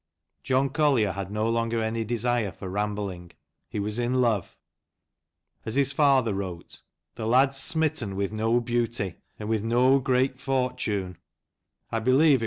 John Collier had no longer any desire for rambling. He was in love. As his father wrote :'* The lad's smitten with 710 beauty, and with no THE CHILDREN OF TIM .BOBBIN.